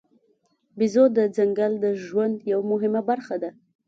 بیزو د ځنګل د ژوند یوه مهمه برخه ده.